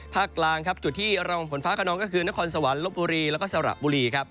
ภาคกลางจุดที่ระวังฝนฟ้าขนองก็คือนครสวรรค์ลบบุรีแล้วก็สรบบุรี